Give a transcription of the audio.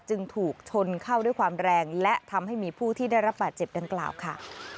จึงถูกชนเข้าด้วยความแรงและทำให้มีผู้ที่ได้รับบาดเจ็บดังกล่าวค่ะ